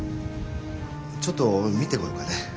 ちょっと見てこようかね。